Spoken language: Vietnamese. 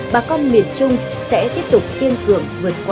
bà con miền trung sẽ tiếp tục kiên cường vượt qua